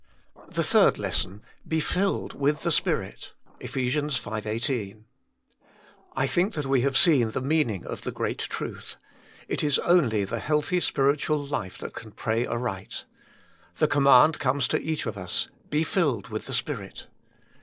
The third lesson :" Be filled with the Spirit " (Eph. v. 18). I think that we have seen the meaning of the great truth : It is only the healthy spiritual life that can pray aright. The command comes to each of us :" Be filled with the Spirit."